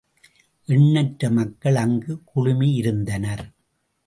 எண்ணற்ற மக்கள் அங்கு குழுமியிருந்தனர்.